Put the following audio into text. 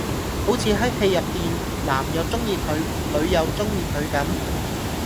好似喺戲入邊男又鍾意佢女又鍾意佢咁